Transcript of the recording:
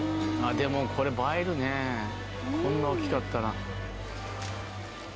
でもこれ映えるねこんな大きかったら。